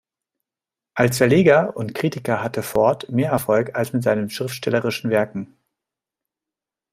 Als Verleger und Kritiker hatte Ford mehr Erfolg als mit seinem schriftstellerischen Werk.